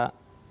ya itu sudah